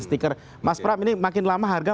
stiker mas pram ini makin lama harga